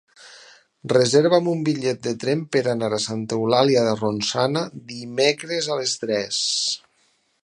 Reserva'm un bitllet de tren per anar a Santa Eulàlia de Ronçana dimecres a les tres.